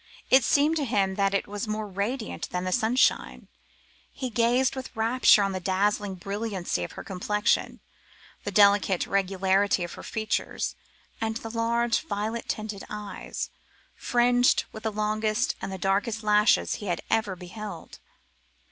It seemed to him that it was more radiant than the sunshine. He gazed with rapture on the dazzling brilliancy of her complexion, the delicate regularity of her features, and the large violet tinted eyes, fringed with the longest and the darkest lashes that he had ever beheld.